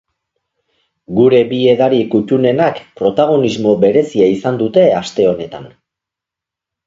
Gure bi edari kuttunenak protagonismo berezia izan dute aste honetan.